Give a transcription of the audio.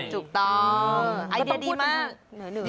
จริง